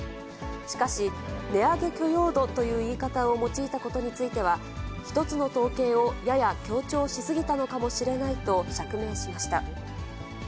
しかし、値上げ許容度という言い方を用いたことについては、一つの統計をやや強調し過ぎたのかもしれないと釈明しました。